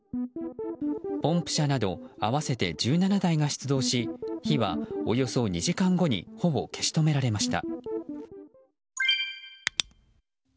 ポンプ車など合わせて１７台が出動し火はおよそ２時間後にほぼ消し止められました。